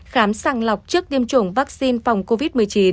khám sàng lọc trước tiêm chủng vaccine phòng covid một mươi chín